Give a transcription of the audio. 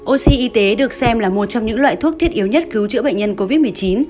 oxy y tế được xem là một trong những loại thuốc thiết yếu nhất cứu chữa bệnh nhân covid một mươi chín